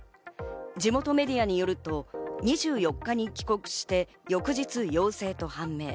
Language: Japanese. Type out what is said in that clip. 地元メディアによると２４日に帰国して翌日、陽性と判明。